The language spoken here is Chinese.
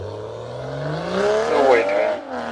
韦斯滕多尔夫是德国巴伐利亚州的一个市镇。